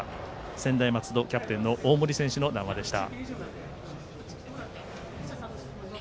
専大松戸キャプテンの大森選手の談話でした。